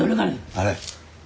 あれ。